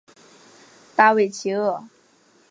达韦齐厄。